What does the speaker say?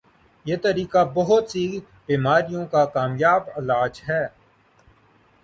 یہ طریقہ بہت سی بیماریوں کا کامیابعلاج ہے